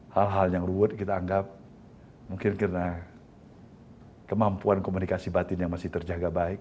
hal hal yang ruwet kita anggap mungkin karena kemampuan komunikasi batin yang masih terjaga baik